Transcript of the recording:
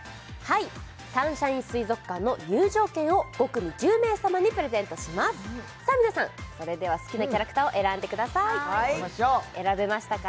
サンシャイン水族館の入場券を５組１０名様にプレゼントしますさあ皆さんそれでは好きなキャラクターを選んでください選べましたか？